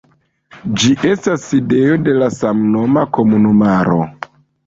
Ĝi estas sidejo de la samnoma komunumaro.